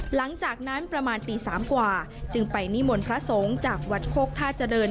หลังจากนั้นประมาณตี๓กว่าจึงไปนิมนต์พระสงฆ์จากวัดโคกท่าเจริญ